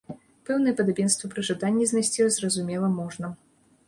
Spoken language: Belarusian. Пэўнае падабенства пры жаданні знайсці, зразумела, можна.